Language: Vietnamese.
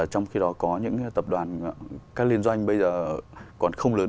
trong khi đó có những tập đoàn các liên doanh bây giờ còn không lớn